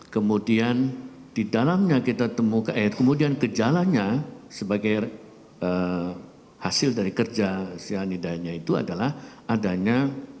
kemudian di dalamnya kita temukan kemudian gejalanya sebagai hasil dari kerja cyanidanya itu adalah adanya